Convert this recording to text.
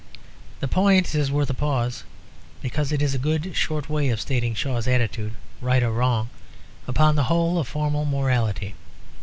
The point is worth a pause, because it is a good, short way of stating Shaw's attitude, right or wrong, upon the whole of formal morality.